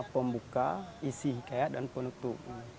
pembuka isi hikayat dan penutup